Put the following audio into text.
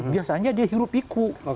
biasanya dia hirup iku